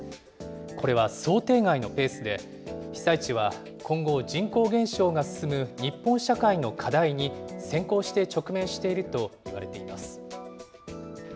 これは想定外のペースで、被災地は今後、人口減少が進む日本社会の課題に先行して直面しているといわれています。